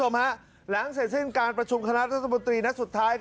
หลังเศษสิ่งการประชุมคณะรัฐมนตรีสุดท้าย